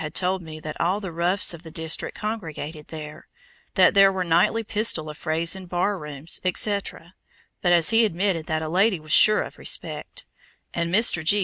had told me that all the roughs of the district congregated there, that there were nightly pistol affrays in bar rooms, etc., but as he admitted that a lady was sure of respect, and Mr. G.